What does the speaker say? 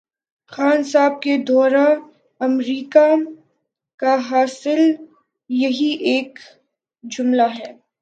خان صاحب کے دورہ امریکہ کا حاصل یہی ایک جملہ ہے۔